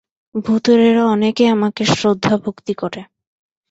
ভূতুড়েরা অনেকে আমাকে শ্রদ্ধাভক্তি করে।